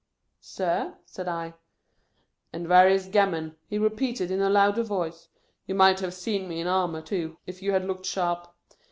"Sir?" said I. " And warious gammon," he repeated, in a louder voice. " You might have seen me in armour, too, if you had looked sharp.